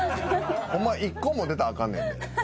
ホンマは１個も出たらあかんねんで。